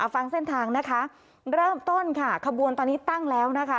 ฟังเส้นทางนะคะเริ่มต้นค่ะขบวนตอนนี้ตั้งแล้วนะคะ